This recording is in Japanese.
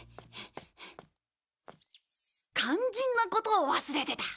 肝心なことを忘れてた。